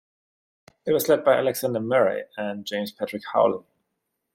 It was led by Alexander Murray and James Patrick Howley.